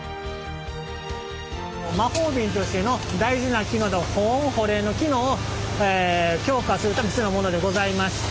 魔法瓶としての大事な機能である保温・保冷の機能を強化するために必要なものでございまして。